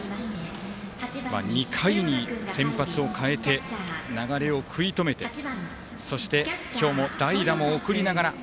２回に先発を代えて流れを食い止めてそして、今日も代打も送りながら。